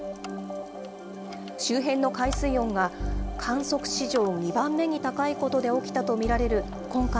周辺の海水温が観測史上２番目に高いことで起きたと見られる今回